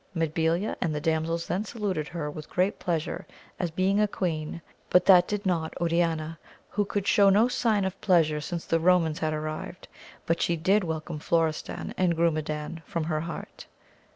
Mabilia and the damsels then saluted her with great pleasure as being a queen, but that did not Oriana, who could show no sign of pleasure since the Romans had arrived, but she did welcome Florestan and Grume dan from her heart.